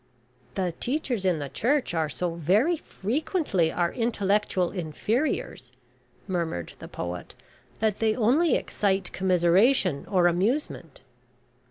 "The teachers in the Church are so very frequently our intellectual inferiors," murmured the poet, "that they only excite commiseration, or amusement."